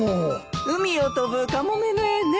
海を飛ぶカモメの絵ね。